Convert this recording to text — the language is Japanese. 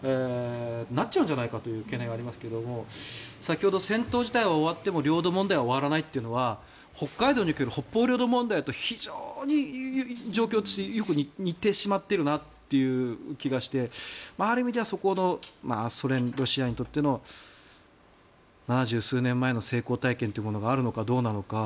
なっちゃうんじゃないかという懸念がありますけども先ほど戦闘自体は終わっても領土問題は終わらないというのは北海道における北方領土問題と非常に状況としてよく似てしまっているなという気がしてある意味ではそこのソ連ロシアにとっての７０数年前の成功体験というものがあるのかどうなのか。